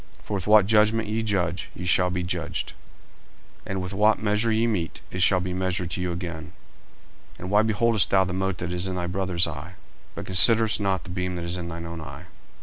40:007:002 For with what judgment ye judge, ye shall be judged: and with what measure ye mete, it shall be measured to you again. 40:007:003 And why beholdest thou the mote that is in thy brother's eye, but considerest not the beam that is in thine own eye?